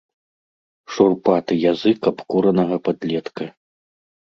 Шурпаты язык абкуранага падлетка.